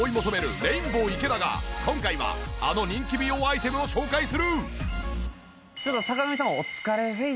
レインボー池田が今回はあの人気美容アイテムを紹介する！